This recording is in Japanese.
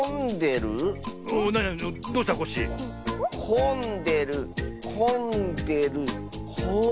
こんでるこんでるこん。